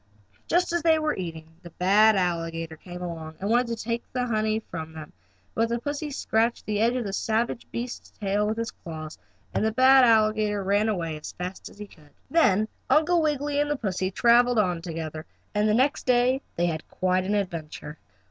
Just as they were eating it the bad alligator came along, and wanted to take the honey away from them, but the pussy scratched the end of the savage beast's tail with his claws, and the bad alligator ran away as fast as he could. Then Uncle Wiggily and the pussy traveled on together and the next day they had quite an adventure.